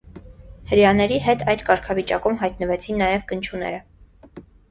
Հրեաների հետ այդ կարգավիճակում հայտնվեցին նաև գնչուները։